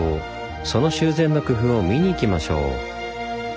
その修繕の工夫を見に行きましょう。